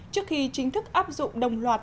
trước khi chính thức áp dụng đồng loạt